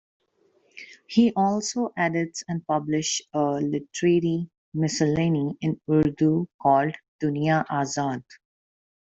He also edits and publishes a litetary miscellany in Urdu called "Duniyazad".